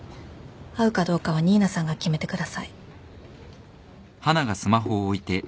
会うかどうかは新名さんが決めてください。